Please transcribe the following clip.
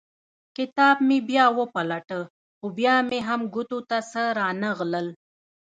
کتاب مې بیا وپلټه خو بیا مې هم ګوتو ته څه رانه غلل.